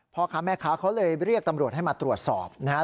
พ่อค้าแม่ค้าเขาเลยเรียกตำรวจให้มาตรวจสอบนะครับ